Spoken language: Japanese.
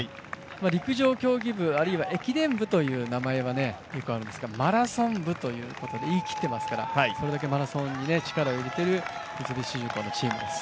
陸上競技部、あるいは駅伝部という名前はあるんですけどマラソン部ということで言い切ってますからそれだけマラソンに力を入れてる三菱重工のチームです。